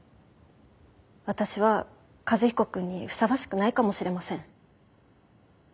私は和彦君にふさわしくないかもしれません。